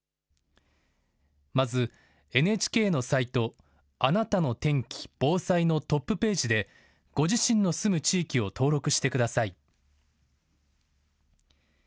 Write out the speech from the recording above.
まず、ＮＨＫのサイトあなたの天気・防災のトップページでご自身の住む地域を登録してください。